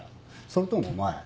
それともお前